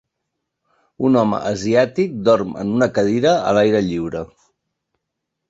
Un home asiàtic dorm en una cadira a l'aire lliure.